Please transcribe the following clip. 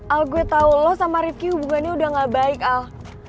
al gue tau lo sama rifqi hubungannya udah gak baik al